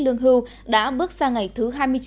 lương hưu đã bước sang ngày thứ hai mươi chín